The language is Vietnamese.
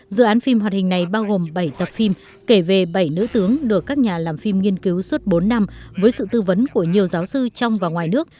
dự án phim hoạt hình này bao gồm bảy tập phim kể về bảy nữ tướng được các nhà làm phim nghiên cứu suốt bốn năm với sự tư vấn của nhiều giáo sư trong và ngoài nước